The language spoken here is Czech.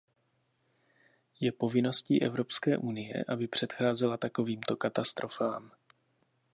Je povinností Evropské unie, aby předcházela takovýmto katastrofám.